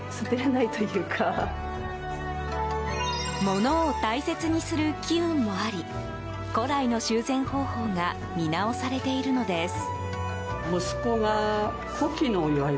物を大切にする機運もあり古来の修繕方法が見直されているのです。